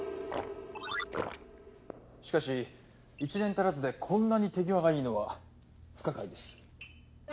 しかし１年足らずでこんなに手際がいいのは不可解です。